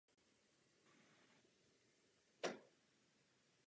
Vyšší cenou klesá poptávka po výrobcích zasažených touto daní.